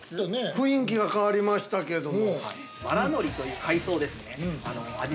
◆雰囲気が変わりましたけども。